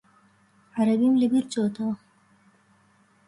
عەرەبیم لەبیر چۆتەوە.